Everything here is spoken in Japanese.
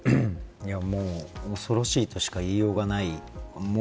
もう恐ろしいとしか言いようがない。